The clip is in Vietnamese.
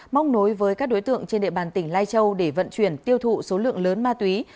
móc nối với các đối tượng trên địa bàn tỉnh lai châu để vận chuyển tiêu thụ số lượng lớn ma túy